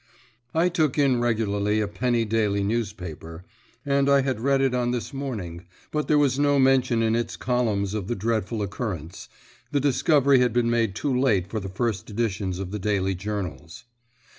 I took in regularly a penny daily newspaper, and I had read it on this morning, but there was no mention in its columns of the dreadful occurrence. The discovery had been made too late for the first editions of the daily journals.